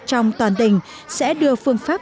trong toàn tình sẽ đưa phương pháp